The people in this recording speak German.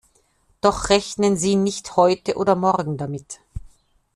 Doch rechnen Sie nicht heute oder morgen damit.